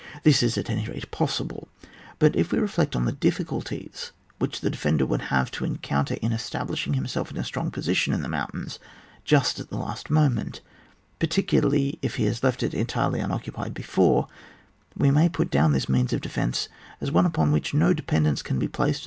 — This is, at any rate, possible ; but if we reflect on the difificulties which the de fender would have to encounter in estab lishing himself in a strong position in the mountains just at the last moment, particularly if he has left it entirely un occupied before, we may put down this means of defence as one upon which no dependence can be placed